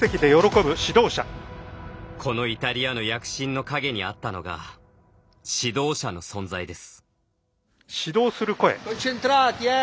このイタリアの躍進のかげにあったのが指導者の存在です。